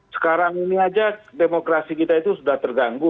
sekarang ini aja demokrasi kita itu sudah terganggu